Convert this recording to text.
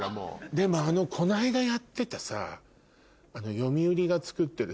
でもこの間やってたさ。